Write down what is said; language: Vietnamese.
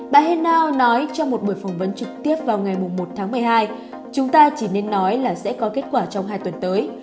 bà heno nói trong một buổi phỏng vấn trực tiếp vào ngày một tháng một mươi hai chúng ta chỉ nên nói là sẽ có kết quả trong hai tuần tới